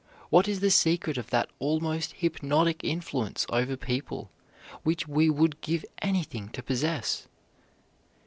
What is the secret of that almost hypnotic influence over people which we would give anything to possess?